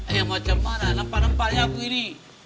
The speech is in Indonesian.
yang macam mana nampak nampaknya aku ini